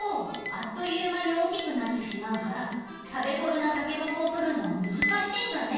あっというまに大きくなってしまうからたべごろなたけのこをとるのはむずかしいんだね。